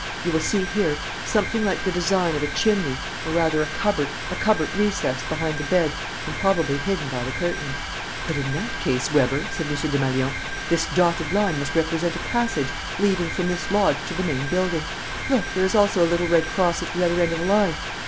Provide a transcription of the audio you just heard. You will see here something like the design of a chimney, or, rather, a cupboard a cupboard recessed behind the bed and probably hidden by the curtains." "But, in that case, Weber," said M. Desmalions, "this dotted line must represent a passage leading from this lodge to the main building. Look, there is also a little red cross at the other end of the line."